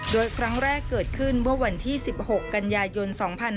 โดยครั้งแรกเกิดขึ้นเมื่อวันที่๑๖กันยายน๒๕๕๙